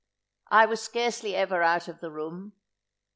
I was scarcely ever out of the room.